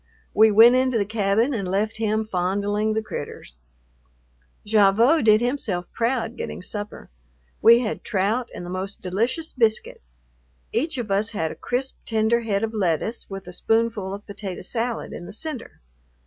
We went into the cabin and left him fondling the "critters." Gavotte did himself proud getting supper. We had trout and the most delicious biscuit. Each of us had a crisp, tender head of lettuce with a spoonful of potato salad in the center.